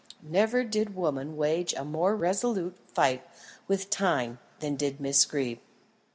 Never did woman wage a more resolute fight with Time than did Miss Greeb.